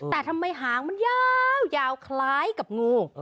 แต่ทำไมหางมันยาวคล้ายกับงู